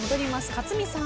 克実さん。